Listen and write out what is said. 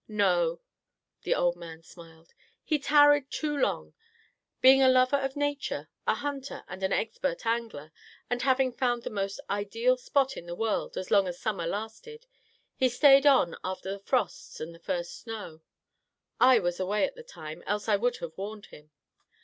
"No," the old man smiled, "he tarried too long. Being a lover of nature—a hunter and an expert angler—and having found the most ideal spot in the world as long as summer lasted, he stayed on after the frosts and the first snow. I was away at the time, else I would have warned him.